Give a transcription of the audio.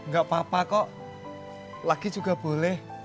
gak apa apa kok lagi juga boleh